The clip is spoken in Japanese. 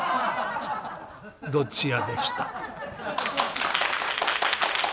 「どっちや」でした。